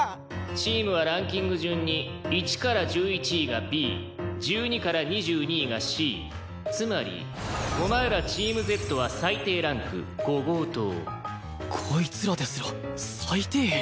「チームはランキング順に１から１１位が Ｂ１２ から２２位が Ｃ」「つまりお前らチーム Ｚ は最低ランク伍号棟」こいつらですら最底辺！？